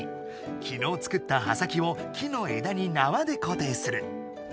きのう作った刃先を木のえだになわでこていする。